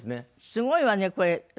すごいわねこれ。